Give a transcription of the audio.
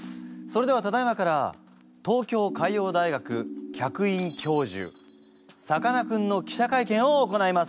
それではただいまから東京海洋大学客員教授さかなクンの記者会見を行います！